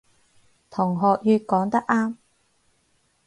同學乙講得啱